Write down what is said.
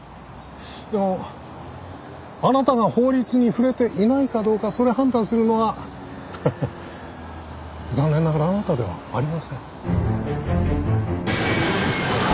でもあなたが法律に触れていないかどうかそれ判断するのは残念ながらあなたではありません。